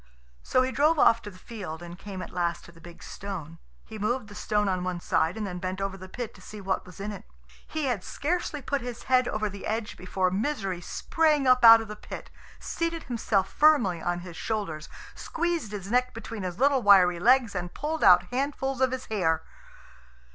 So he drove off to the field, and came at last to the big stone. He moved the stone on one side, and then bent over the pit to see what was in it. He had scarcely put his head over the edge before Misery sprang up out of the pit, seated himself firmly on his shoulders, squeezed his neck between his little wiry legs, and pulled out handfuls of his hair.